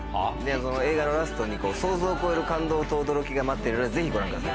その映画のラストに想像を超える感動と驚きが待っているのでぜひご覧ください。